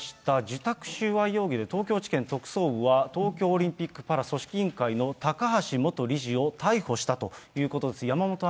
受託収賄容疑で、東京地検特捜部は、東京オリンピック・パラ組織委員会の高橋元理事を逮捕したということです。